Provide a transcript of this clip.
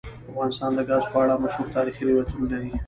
افغانستان د ګاز په اړه مشهور تاریخی روایتونه لري.